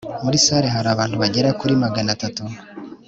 muri salle hari abantu bagera kuri magana atatu